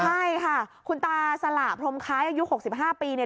ใช่ค่ะคุณตาสระพร้อมไค้อายุ๖๕ปี